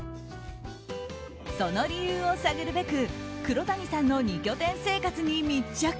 その理由を探るべく、黒谷さんの２拠点生活に密着。